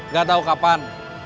gak tau kapan